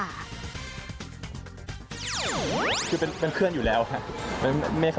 คือเป็นเพื่อนอยู่แล้วครับ